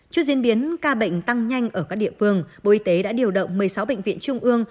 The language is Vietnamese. trước diễn biến ca bệnh tăng nhanh ở các địa phương bộ y tế đã điều động một mươi sáu bệnh viện trung ương